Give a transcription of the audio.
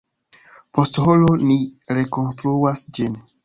Post horo ni rekonstruas ĝin.